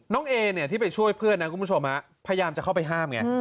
เอเนี่ยที่ไปช่วยเพื่อนนะคุณผู้ชมพยายามจะเข้าไปห้ามไง